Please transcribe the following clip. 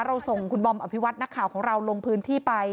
ส่งคุณบอมอภิวัตินักข่าวของเราลงพื้นที่ไป